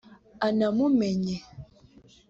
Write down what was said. anamumenye